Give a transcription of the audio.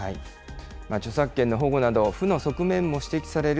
著作権の保護など負の側面も指摘される